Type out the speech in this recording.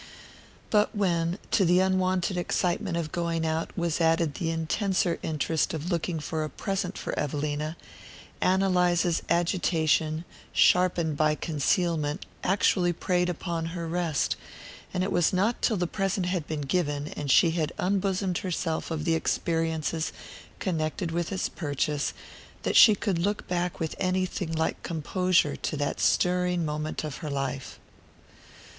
But when, to the unwonted excitement of going out, was added the intenser interest of looking for a present for Evelina, Ann Eliza's agitation, sharpened by concealment, actually preyed upon her rest; and it was not till the present had been given, and she had unbosomed herself of the experiences connected with its purchase, that she could look back with anything like composure to that stirring moment of her life.